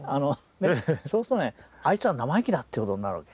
そうするとね「あいつは生意気だ」ってことになるわけ。